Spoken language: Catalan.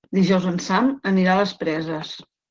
Dijous en Sam anirà a les Preses.